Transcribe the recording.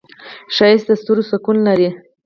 ښایست د ستورو سکون لري